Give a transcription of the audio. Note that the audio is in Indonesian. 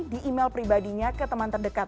di email pribadinya ke teman terdekat